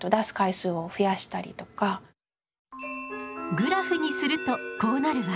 グラフにするとこうなるわ。